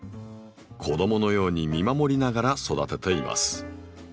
子どものように見守りながら育てています。